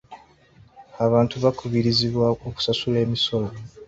Abantu bakubirizibwa okusasula emisolo